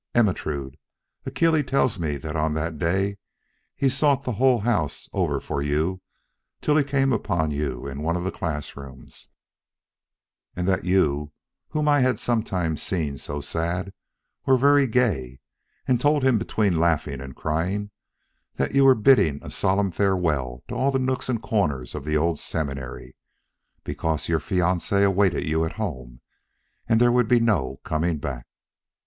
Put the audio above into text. Ermentrude, Achille tells me that on that day he sought the whole house over for you till he came upon you in one of the classrooms; and that you whom I had sometimes seen so sad were very gay and told him between laughing and crying that you were bidding a solemn farewell to all the nooks and corners of the old seminary, because your fiancé awaited you at home, and there would be no coming back."